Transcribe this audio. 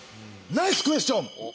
ナイスクエスチョン！